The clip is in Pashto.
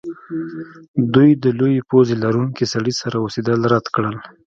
دوی د لویې پوزې لرونکي سړي سره اوسیدل رد کړل